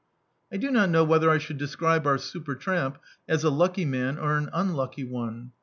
I do not know whether I should describe our super tramp as a lucky man or an unlucky one.